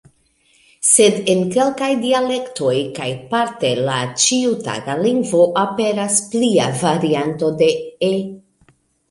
Sed en kelkaj dialektoj kaj parte la ĉiutaga lingvo aperas plia varianto de "e".